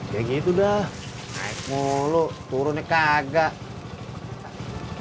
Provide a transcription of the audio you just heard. kayak gitu dah naik mulu turunnya kagak